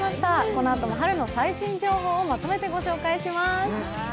このあとも春の最新情報をまとめてご紹介します。